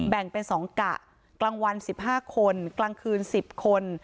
แบ่งเป็นสองกะกลางวันสิบห้าคนกลางคืนสิบคน